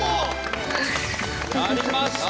やりました！